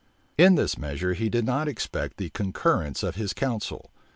In this measure he did not expect the concurrence of his council.